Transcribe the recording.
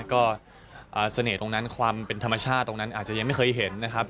ก็เสน่ห์ตรงนั้นความเป็นธรรมชาติตรงนั้นอาจจะยังไม่เคยเห็นนะครับ